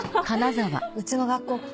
うちの学校事